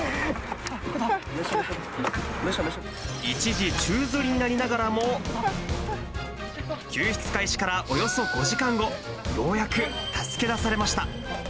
一時、宙づりになりながらも、救出開始からおよそ５時間後、ようやく助け出されました。